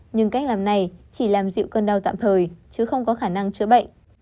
nhưng cách làm này chỉ làm dịu cơn đau tạm thời chứ không có khả năng chữa bệnh